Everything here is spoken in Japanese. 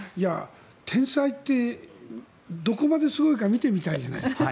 天才ってどこまですごいか見てみたいじゃないですか。